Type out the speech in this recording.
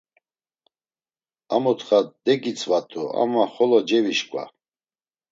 A mutxa degitzvat̆u ama xolo cevişǩva.